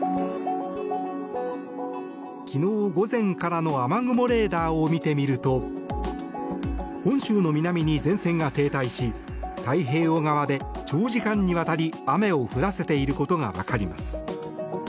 昨日午前からの雨雲レーダーを見てみると本州の南に前線が停滞し太平洋側で長時間にわたり、雨を降らせていることが分かります。